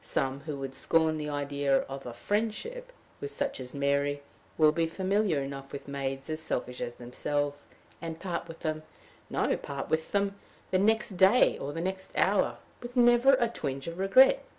Some, who would scorn the idea of a friendship with such as Mary, will be familiar enough with maids as selfish as themselves, and part from them no part with them, the next day, or the next hour, with never a twinge of regret.